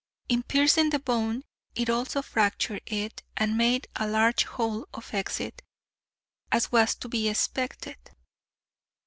In piercing the bone it also fractured it, and made a large hole of exit, as was to be expected."